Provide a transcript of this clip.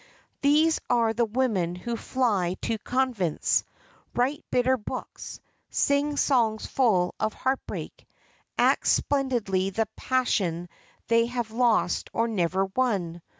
These are the women who fly to convents, write bitter books, sing songs full of heartbreak, act splendidly the passion they have lost or never won.